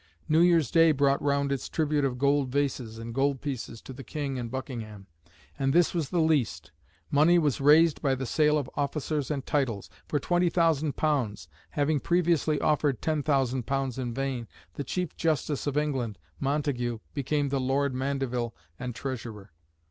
New Year's Day brought round its tribute of gold vases and gold pieces to the King and Buckingham. And this was the least. Money was raised by the sale of officers and titles. For £20,000, having previously offered £10,000 in vain, the Chief Justice of England, Montague, became Lord Mandeville and Treasurer.